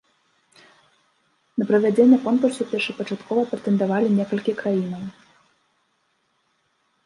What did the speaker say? На правядзенне конкурсу першапачаткова прэтэндавалі некалькі краінаў.